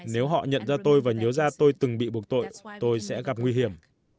nếu họ nhận ra tôi và nhớ ra tôi từng bị buộc tội tôi sẽ gặp nguy hiểm